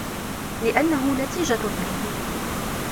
لِأَنَّهُ نَتِيجَةٌ مِنْهُ